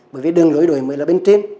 bởi vì đường lối đổi mới là bên trên